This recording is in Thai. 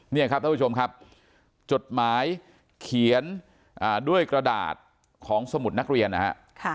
นี่ครับท่านผู้ชมครับจดหมายเขียนด้วยกระดาษของสมุดนักเรียนนะฮะ